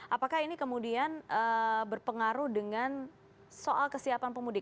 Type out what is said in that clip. apakah ini kemudian berpengaruh dengan soal kesiapan pemudik